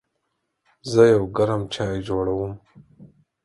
زه یو ګرم چای جوړوم.